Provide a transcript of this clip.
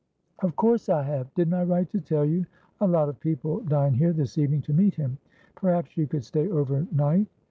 "Of course I have. Didn't I write to tell you? A lot of people dine here this evening to meet him. Perhaps you could stay over night?